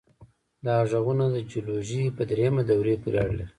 دا غرونه د جیولوژۍ په دریمې دورې پورې اړه لري.